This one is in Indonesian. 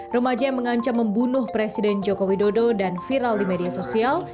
remaja yang mengancam membunuh presiden joko widodo dan viral di media sosial